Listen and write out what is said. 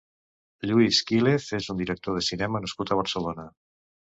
Lluís Quílez és un director de cinema nascut a Barcelona.